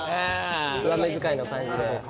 上目遣いの感じで。